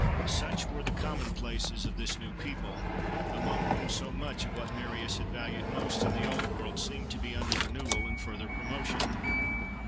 —Such were the commonplaces of this new people, among whom so much of what Marius had valued most in the old world seemed to be under renewal and further promotion.